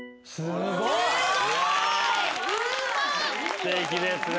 すてきですね。